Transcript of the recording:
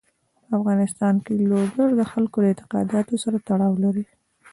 په افغانستان کې لوگر د خلکو د اعتقاداتو سره تړاو لري.